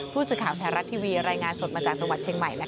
ผู้ศึกขาวแถวรัฐทีวีรายงานสดมาจากจังหวัดเชียงใหม่นะคะ